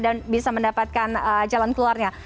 dan bisa mendapatkan jalan keluarnya